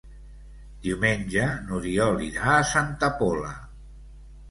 Diumenge n'Oriol irà a Santa Pola.